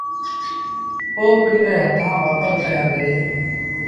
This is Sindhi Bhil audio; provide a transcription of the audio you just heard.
پو پنڊري هٿآݩ وآپس ڪيآݩدي۔